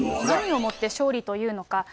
何をもって勝利というのか。